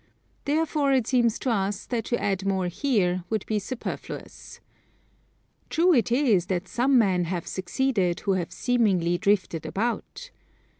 Therefore it seems to us that to add more here would be superfluous. True it is that some men have succeeded who have seemingly drifted about.